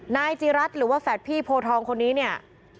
นายจีรัฐหรือว่าแฝดพี่โพทองคนนี้เนี่ย